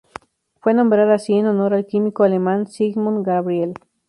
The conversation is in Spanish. Fue nombrada así en honor al químico alemán Siegmund Gabriel.